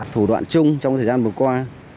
thủ đoạn chung trong thời gian vừa qua